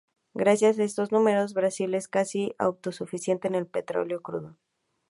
Gracias a estos números, Brasil es casi autosuficiente en petróleo crudo.